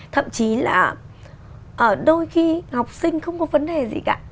thậm chí là ở đôi khi học sinh không có vấn đề gì cả